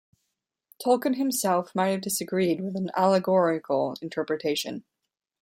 Tolkien himself might have disagreed with an allegorical interpretation.